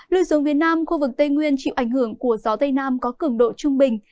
lùi xuống phía nam khu vực tây nguyên chịu ảnh hưởng của gió tây nam có cường độ trung bình